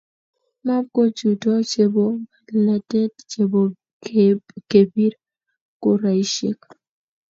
Mabko chuto chebopolatet chebo kepir kuraisiek